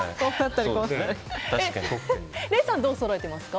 礼さん、どうそろえてますか？